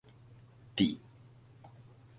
抵